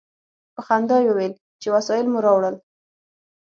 په خندا یې وویل چې وسایل مو راوړل.